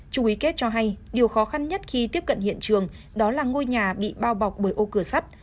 trung ý kết cho hay điều khó khăn nhất khi tiếp cận hiện trường đó là ngôi nhà bị bao bọc bởi ô cửa sắt